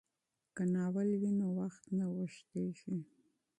که ناول وي نو وخت نه اوږدیږي.